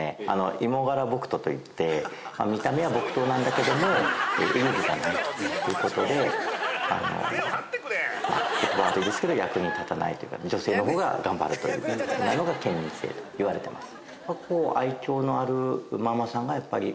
「いもがらぼくと」と言って見た目は木刀なんだけども威力がないということであのまあ言葉悪いですけど役に立たないというか女性の方が頑張るというふうなのが県民性と言われてます。